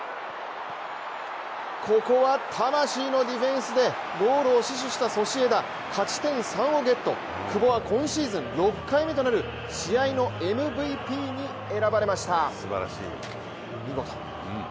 ここは魂のディフェンスでゴールを死守したソシエダ勝ち点３をゲット久保は今シーズン６回目となる試合のＭＶＰに選ばれました。